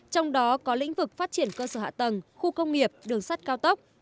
trong đó có lĩnh vực phát triển cơ sở hạ tầng khu công nghiệp đường sắt cao tốc